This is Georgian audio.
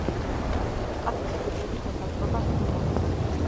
შტატი ჩრდილოეთით ესაზღვრება სუდანს.